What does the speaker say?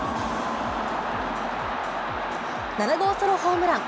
７号ソロホームラン。